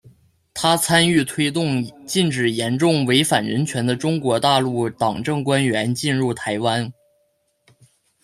她参与推动禁止严重违反人权的中国大陆党政官员进入台湾。